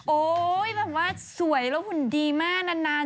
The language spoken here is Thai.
โอ้ยแบบว่าสวยแล้วคุณดีมากนาน